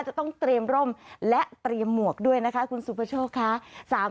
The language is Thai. จะต้องเตรียมร่มและเตรียมหมวกด้วยนะคะคุณสุประโชคค่ะ